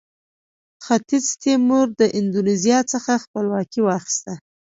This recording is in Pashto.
ختیځ تیمور د اندونیزیا څخه خپلواکي واخیسته.